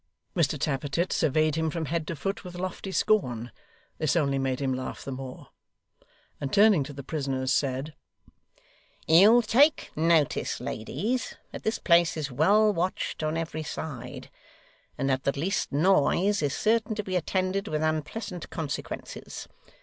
Mr Tappertit surveyed him from head to foot with lofty scorn (this only made him laugh the more), and turning to the prisoners, said: 'You'll take notice, ladies, that this place is well watched on every side, and that the least noise is certain to be attended with unpleasant consequences.